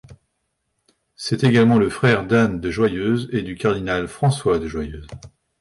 C'est également le frère d'Anne de Joyeuse et du cardinal François de Joyeuse.